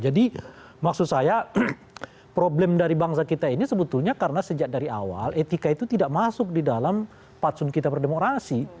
jadi maksud saya problem dari bangsa kita ini sebetulnya karena sejak dari awal etika itu tidak masuk di dalam patsun kita berdemokrasi